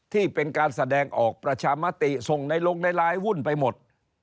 ที่เป็นการแสดงออกประชามติส่งในลงในไลน์วุ่นไปหมด